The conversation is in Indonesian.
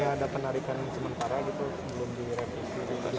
bukunya tidak ada penarikan sementara gitu sebelum dia